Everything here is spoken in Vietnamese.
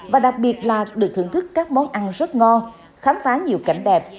và đặc biệt là được thưởng thức các món ăn rất ngon khám phá nhiều cảnh đẹp